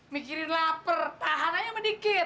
mikirin lapar tahan aja sedikit